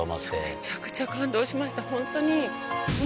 めちゃくちゃ感動しましたホントに。